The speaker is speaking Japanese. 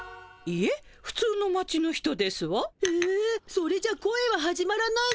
それじゃ恋は始まらないけど。